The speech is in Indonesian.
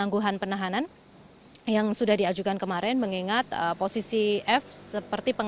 ahli bahasa ahli dari kementerian